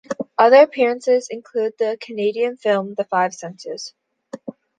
Other appearances include the Canadian film "The Five Senses".